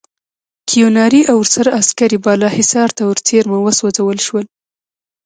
کیوناري او ورسره عسکر یې بالاحصار ته ورڅېرمه وسوځول شول.